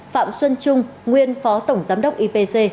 phạm xuân trung nguyên phó tổng giám đốc ipc